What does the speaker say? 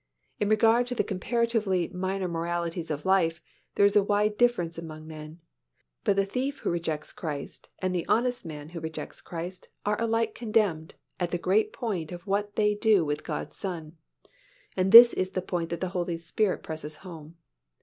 In regard to the comparatively minor moralities of life, there is a wide difference among men, but the thief who rejects Christ and the honest man who rejects Christ are alike condemned at the great point of what they do with God's Son, and this is the point that the Holy Spirit presses home.